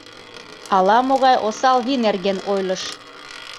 Ала-могай осал вий нерген ойлыш.